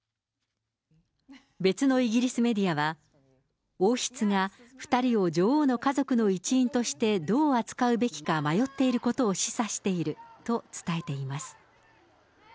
別のイギリスメディアは、王室が２人を女王の家族の一員としてどう扱うべきか迷っていることを示唆していると伝えています。